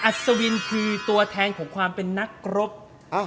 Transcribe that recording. อสจะวินคือตัวแทนของความเป็นนักกรเปลับ